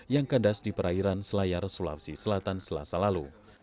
yang kandas di perairan selayar sulawesi selatan selasa lalu